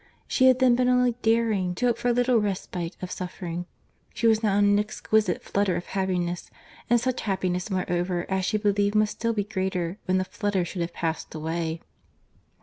—she had then been only daring to hope for a little respite of suffering;—she was now in an exquisite flutter of happiness, and such happiness moreover as she believed must still be greater when the flutter should have passed away.